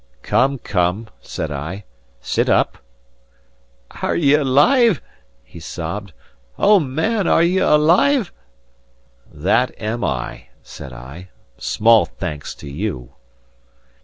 "Come, come," said I; "sit up." "Are ye alive?" he sobbed. "O man, are ye alive?" "That am I," said I. "Small thanks to you!"